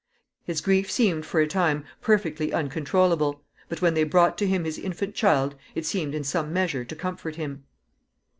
His grief seemed, for a time, perfectly uncontrollable; but when they brought to him his infant child, it seemed in some measure to comfort him.